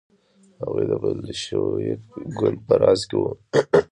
هغوی د بلشویک ګوند په راس کې وو.